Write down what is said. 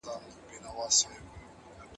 بد انسان تل ظلم کوي